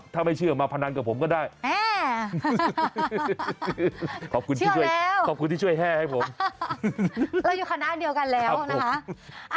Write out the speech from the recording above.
ถ้าไม่เชื่อมาพนันกับผมก็ได้ขอบคุณที่ช่วยขอบคุณที่ช่วยแห้ให้ผมเราอยู่คณะเดียวกันแล้วนะคะ